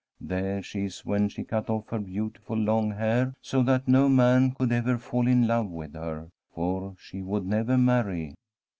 There she is when she cut off her beautiful long hair so that no man could ever fall in love with her, for she would never marry.